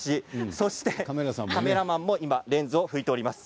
そしてカメラマンも今レンズを拭いております。